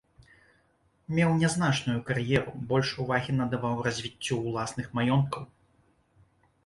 Меў нязначную кар'еру, больш увагі надаваў развіццю ўласных маёнткаў.